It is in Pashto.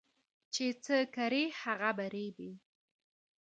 چي څه کرې هغه به رېبې